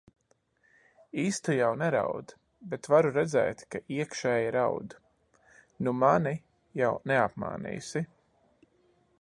Īsti jau neraud, bet varu redzēt, ka iekšēji raud. Nu mani jau neapmānīsi.